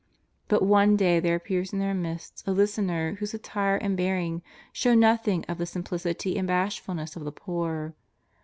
But one day there appears in their midst a listener whose attire and bearing show nothing of the sim plicity and bashfulness of the poor.